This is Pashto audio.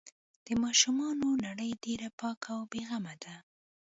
د ماشومانو نړۍ ډېره پاکه او بې غمه ده.